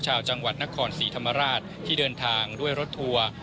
ชาวจังหวัดนครศรีธรรมราชที่เดินทางด้วยรถทัวร์